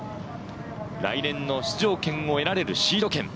来年の出場権を得られるシード権。